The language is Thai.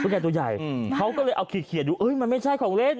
แก่ตัวใหญ่เขาก็เลยเอาเคลียร์ดูมันไม่ใช่ของเล่น